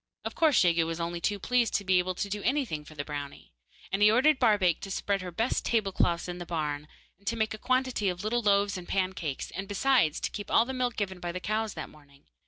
Of course, Jegu was only too pleased to be able to do anything for the brownie, and he ordered Barbaik to spread her best table cloths in the barn, and to make a quantity of little loaves and pancakes, and, besides, to keep all the milk given by the cows that morning.